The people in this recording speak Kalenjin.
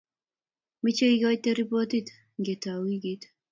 Meche igoite ripotit ngetau weekit---